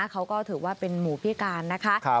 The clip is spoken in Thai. เขาก็ถือว่าเป็นหมูพิการนะคะ